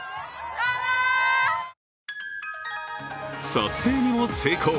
撮影にも成功。